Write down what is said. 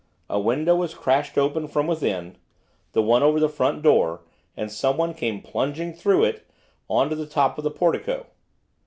A window was crashed open from within, the one over the front door, and someone came plunging through it on to the top of the portico.